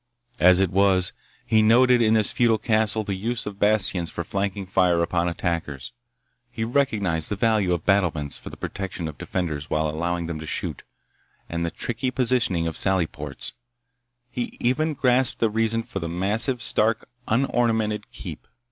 As it was, he noted in this feudal castle the use of bastions for flanking fire upon attackers, he recognized the value of battlements for the protection of defenders while allowing them to shoot, and the tricky positioning of sally ports. He even grasped the reason for the massive, stark, unornamented keep.